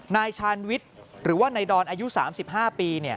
นายชาญวิทย์หรือว่านายดอนอายุ๓๕ปี